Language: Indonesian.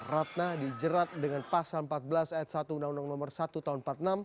ratna dijerat dengan pasal empat belas ayat satu ratus enam puluh enam nomor satu tahun empat puluh enam